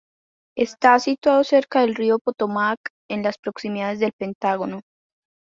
Está situado cerca del Río Potomac, en las proximidades del Pentágono.